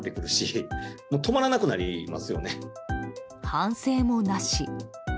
反省もなし。